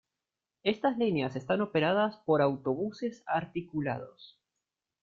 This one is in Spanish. Estas líneas están operadas por autobuses articulados.